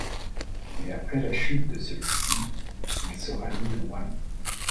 Mais après la chute de celui-ci, il se rallie aux Yuan.